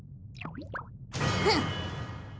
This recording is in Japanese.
フン。